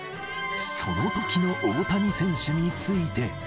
そのときの大谷選手について。